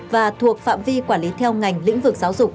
và thuộc phạm vi quản lý theo ngành lĩnh vực giáo dục